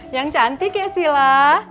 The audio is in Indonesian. yang cantik ya sila